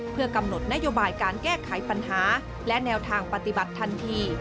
เพื่อกำหนดนโยบายการแก้ไขปัญหาและแนวทางปฏิบัติทันที